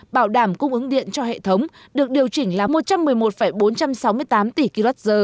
bảo đảm cung ứng điện cho hệ thống được điều chỉnh là một trăm một mươi một bốn trăm sáu mươi tám tỷ kwh